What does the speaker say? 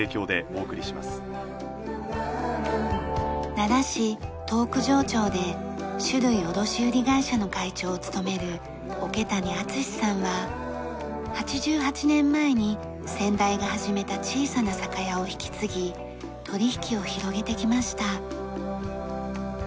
奈良市東九条町で酒類卸売会社の会長を務める桶谷陸さんは８８年前に先代が始めた小さな酒屋を引き継ぎ取引を広げてきました。